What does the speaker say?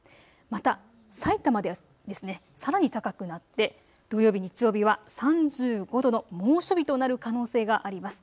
また、さいたまではさらに高くなって土曜日、日曜日は３５度の猛暑日となる可能性があります。